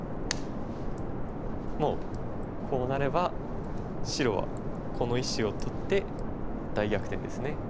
もうこうなれば白はこの石を取って大逆転ですね。